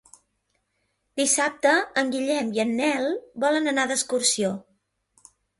Dissabte en Guillem i en Nel volen anar d'excursió.